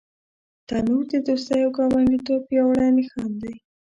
تنور د دوستۍ او ګاونډیتوب پیاوړی نښان دی